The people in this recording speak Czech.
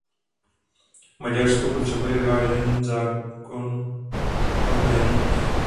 Maďarsko potřebuje vyvážený zákon o médiích.